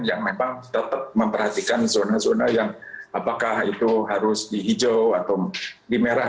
yang memang tetap memperhatikan zona zona yang apakah itu harus di hijau atau di merah